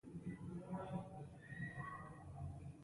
غول د کولمو د جراثیم نتیجه ده.